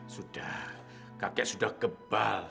sudah kakek sudah gebal